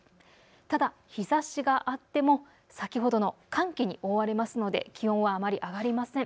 ただ日ざしがあっても先ほどの寒気に覆われますので気温はあまり上がりません。